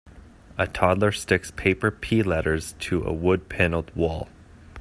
A toddler sticks paper P letters to a wood paneled wall.